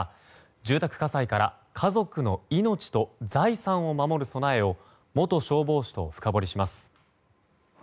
住宅火災から家族の命と財産を守る備えを元消防士と深掘りします。